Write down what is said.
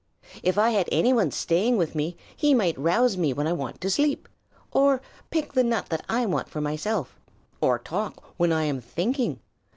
If I had any one staying with me he might rouse me when I want to sleep, or pick the nut that I want for myself, or talk when I am thinking.